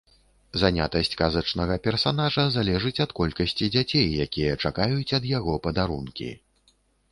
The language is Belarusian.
Занятасць казачнага персанажа залежыць ад колькасці дзяцей, якія чакаюць ад яго падарункі.